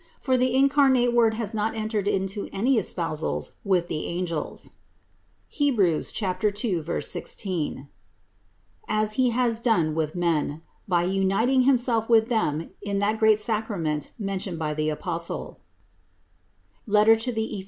For the incarnate Word has not entered into any espousals with the angels, (Heb. 2, 16) as He has done with men, by uniting Him self with them in that great sacrament mentioned by the Apostle, (Eph.